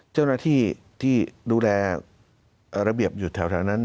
เจ้าหน้าที่ที่ดูแลระเบียบอยู่แถวนั้น